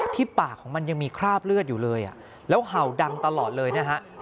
ปากของมันยังมีคราบเลือดอยู่เลยแล้วเห่าดังตลอดเลยนะฮะ